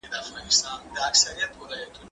زه هره ورځ د لوبو لپاره وخت نيسم؟!